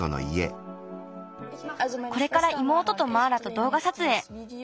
これからいもうととマーラとどうがさつえい。